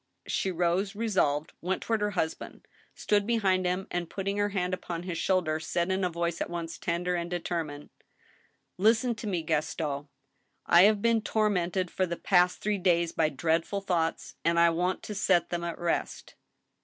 She rose resolved, went toward her husband, stood behind him, and, putting her hand upon his shoulder, said, in a voice at once tender and determined :'* Listen to me, Gaston. I have been tormented for the past three days by dreadful thoughts, and I want to set them at rest.